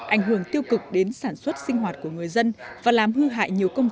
ảnh hưởng tiêu cực đến sản xuất sinh hoạt của người dân và làm hư hại nhiều công trình